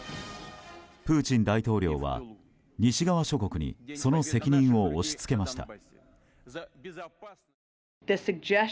プーチン大統領は西側諸国にその責任を押し付けました。